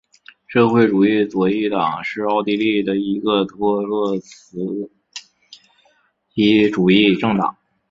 社会主义左翼党是奥地利的一个托洛茨基主义政党。